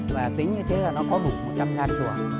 và tính như thế là nó có đủ một trăm linh nhà chùa